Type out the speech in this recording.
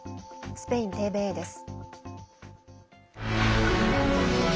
スペインＴＶＥです。